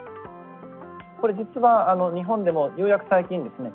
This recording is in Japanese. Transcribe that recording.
これ実は日本でもようやく最近ですね